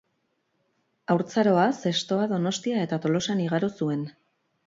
Haurtzaroa Zestoa, Donostia eta Tolosan igaro zuen.